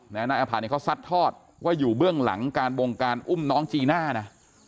นายอภาเนี่ยเขาซัดทอดว่าอยู่เบื้องหลังการวงการอุ้มน้องจีน่านะ